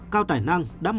cao tài năng đã mô tả